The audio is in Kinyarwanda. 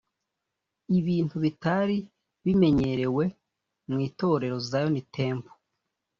ibintu bitari bimenyerewe mu itorero Zion Temple